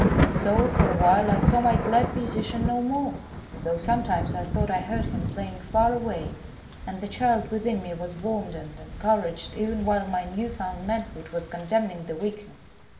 So, for a while, I saw my glad musician no more, though sometimes I thought I heard him playing far away, and the child within me was warmed and encouraged even while my new found manhood was condemning the weakness.